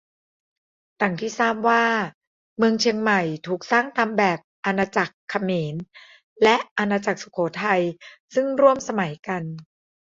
ดั่งที่ทราบว่าเมืองเชียงใหม่ถูกสร้างตามแบบอาณาจักรเขมร และ อาณาจักรสุโขทัยซึ่งร่วมสมัยกัน